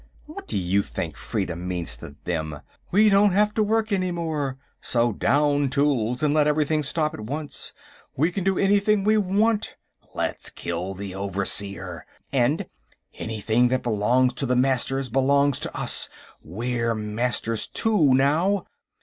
What do you think freedom means to them? We don't have to work, any more. So down tools and let everything stop at once. We can do anything we want to. Let's kill the overseer. And: _Anything that belongs to the Masters belongs to us; we're Masters too, now.